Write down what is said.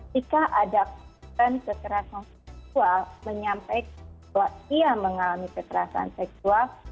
jika ada kerasan seksual menyampaikan bahwa dia mengalami kerasan seksual